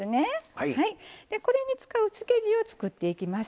これに使う漬け地を作っていきます。